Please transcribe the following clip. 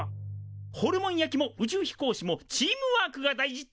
ホルモン焼きも宇宙飛行士もチームワークが大事ってことだ。